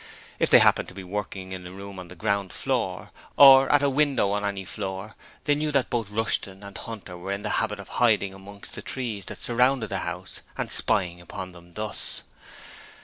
If they happened to be working in a room on the ground floor, or at a window on any floor, they knew that both Rushton and Hunter were in the habit of hiding among the trees that surrounded the house, and spying upon them thus.